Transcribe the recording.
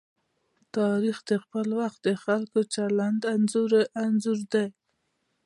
تاریخ د خپل وخت د خلکو د چلند انځور دی.